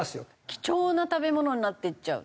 貴重な食べ物になっていっちゃう。